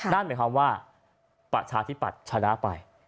นั่นหมายความว่าประชาธิปัตย์ชนะไป